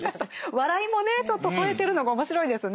笑いもねちょっと添えてるのが面白いですね。